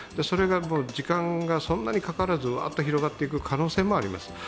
それが時間がそんなにかからず広がっていく可能性もあります。